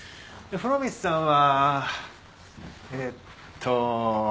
風呂光さんはえっと。